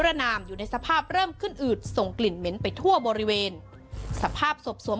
ระนามอยู่ในสภาพเริ่มขึ้นอืดส่งกลิ่นเหม็นไปทั่วบริเวณสภาพศพสวม